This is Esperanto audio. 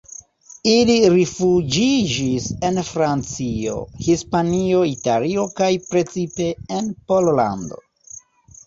Ili rifuĝiĝis en Francio, Hispanio, Italio kaj precipe en Pollando.